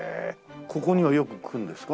ここにはよく来るんですか？